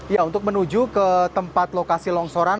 ya untuk menuju ke tempat lokasi longsoran